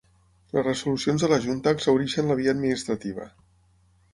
Les resolucions de la Junta exhaureixen la via administrativa.